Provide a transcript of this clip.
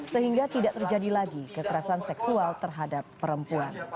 sehingga tidak terjadi lagi kekerasan seksual terhadap perempuan